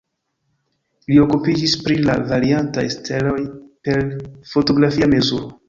Li okupiĝis pri la variantaj steloj per fotografia mezuro.